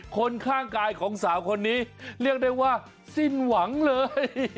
คนข้างกายของสาวคนนี้เรียกได้ว่าสิ้นหวังเลย